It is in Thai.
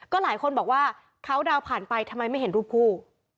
หลายคนบอกว่าเขาดาวน์ผ่านไปทำไมไม่เห็นรูปคู่